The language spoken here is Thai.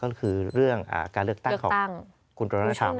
ก็คือเรื่องการเลือกตั้งของคุณตลอดนักชำ